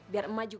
biar emak juga